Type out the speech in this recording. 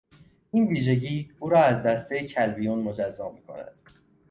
این ویژگی او را از دسته کلبیون مجزا میکند.